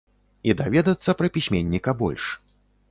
І даведацца пра пісьменніка больш.